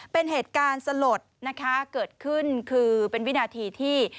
เป็นเหตุการณ์สลดนะคะเกิดขึ้นคือเป็นวินาทีที่